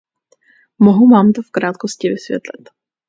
Mohu mám to v krátkosti vysvětlit.